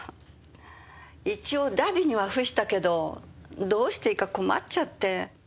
一応荼毘には付したけどどうしていいか困っちゃって。